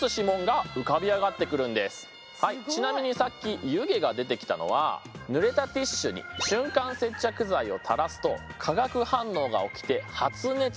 ちなみにさっき湯気が出てきたのは濡れたティッシュに瞬間接着剤をたらすとえ！